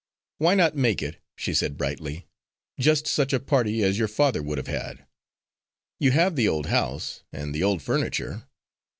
"Why not make it," she said brightly, "just such a party as your father would have had. You have the old house, and the old furniture.